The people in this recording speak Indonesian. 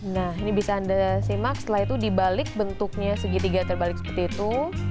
nah ini bisa anda simak setelah itu dibalik bentuknya segitiga terbalik seperti itu